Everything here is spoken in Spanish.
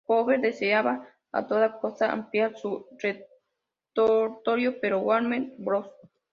Powell deseaba a toda costa ampliar su repertorio, pero Warner Bros.